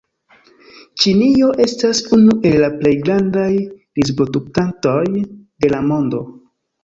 Ĉinio estas unu el la plej grandaj rizproduktantoj de la mondo.